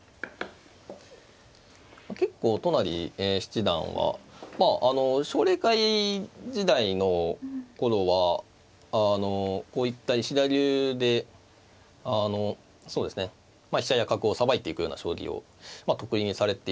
結構都成七段は奨励会時代の頃はあのこういった石田流でそうですね飛車や角をさばいていくような将棋を得意にされていたと思うんですね。